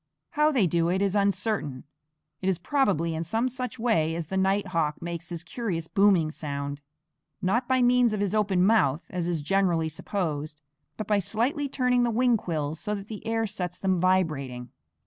How they do it is uncertain; it is probably in some such way as the night hawk makes his curious booming sound, not by means of his open mouth, as is generally supposed, but by slightly turning the wing quills so that the air sets them vibrating.